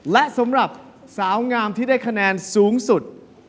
และสำหรับสาวงามที่ได้คะแนนสูงสุด